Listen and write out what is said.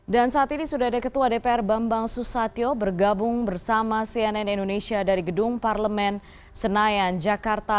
dan saat ini sudah ada ketua dpr bambang susatyo bergabung bersama cnn indonesia dari gedung parlemen senayan jakarta